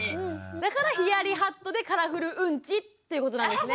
だから「ヒヤリハットでカラフルうんち」っていうことなんですね。